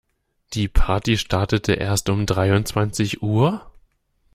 Die Party startete erst um dreiundzwanzig Uhr?